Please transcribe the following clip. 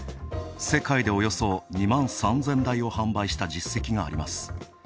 世界でおよそ２万３０００台を販売した実績があります。